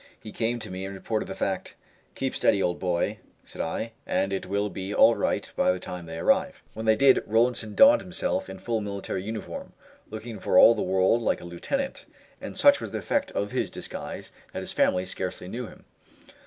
He came to me and reported the fact. "Keep steady, old boy," said I, "and it will be all right by the time they arrive." When they did, Rollinson donned himself in full military uniform, looking for all the world like a lieutenant, and such was the effect of his disguise that his family scarcely knew him."